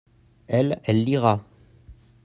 elle, elle lira.